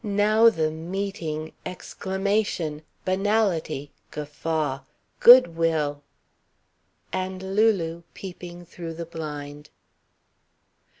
Now the meeting, exclamation, banality, guffaw ... good will. And Lulu, peeping through the blind.